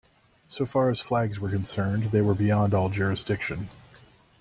So far as flags were concerned, they were beyond all jurisdiction.